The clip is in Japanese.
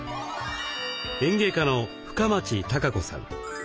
園芸家の深町貴子さん。